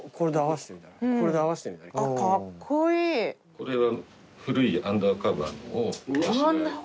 これは古いアンダーカバーのを。